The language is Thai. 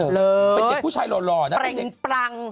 เป็นเด็กผู้ชายหล่อนะเป็นเพลงปรัง